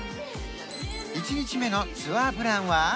１日目のツアープランは？